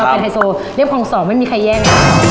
เป็นไฮโซเรียบคลองสองไม่มีใครแย่ง